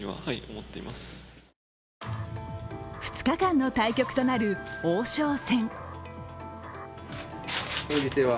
２日間の対局となる王将戦。